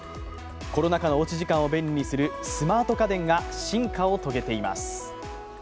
コロナ禍のおうち時間を便利にするスマート家電が進化を遂げています。